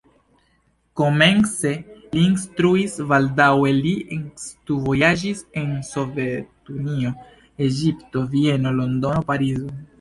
Komence li instruis, baldaŭe li studvojaĝis en Sovetunio, Egipto, Vieno, Londono, Parizo.